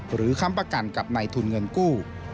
ค้ำประกันกับในทุนเงินกู้